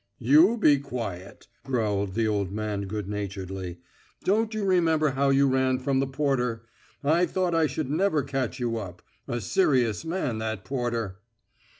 "You be quiet," growled the old man good naturedly. "Don't you remember how you ran from the porter? I thought I should never catch you up. A serious man, that porter!"